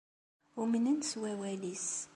Umnen s wawal-is.